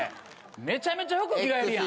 めちゃめちゃ服着替えるやん。